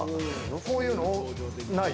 こういうのない？